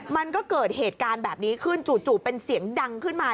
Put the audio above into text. มันก็เกิดเหตุการณ์แบบนี้ขึ้นจู่เป็นเสียงดังขึ้นมา